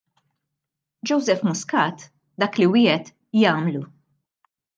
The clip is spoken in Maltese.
Joseph Muscat dak li wiegħed jagħmlu.